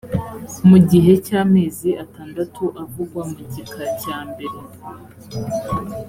mu gihe cy amezi atandatu avugwa mu gika cyambere